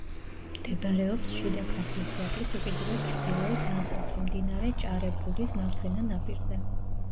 მდებარეობს შიდა ქართლის ვაკის უკიდურეს ჩრდილოეთ ნაწილში, მდინარე ჭარებულის მარჯვენა ნაპირზე.